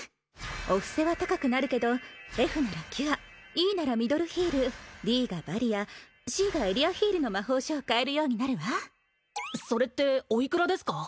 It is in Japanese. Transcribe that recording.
お布施は高くなるけどＦならキュアＥならミドルヒールＤがバリアＣがエリアヒールの魔法書を買えるようになるわそれっておいくらですか？